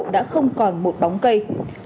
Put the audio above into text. đã không còn một bóng cây